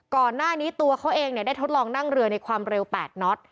ก่อนหน้านี้ตัวเขาเองได้ทดลองนั่งเรือในความเร็ว๘น็อต